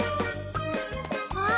あっ！